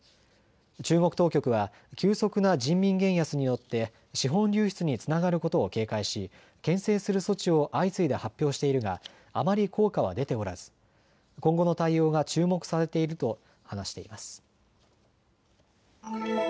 中国当局は急速な人民元安によって資本流出につながることを警戒し、けん制する措置を相次いで発表しているがあまり効果は出ておらず今後の対応が注目されていると話しています。